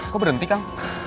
kok berhenti kang